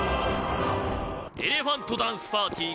エレファントダンスパーティー